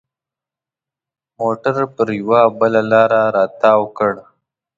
موټر پر یوه بله لاره را تاو کړ.